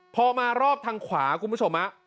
พอมารอบทางขวาคุณผู้ชม